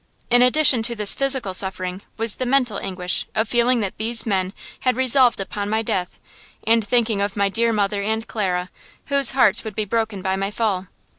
In addition to this physical suffering was the mental anguish of feeling that these men had resolved upon my death, and thinking of my dear mother and Clara, whose hearts would be broken by my fall.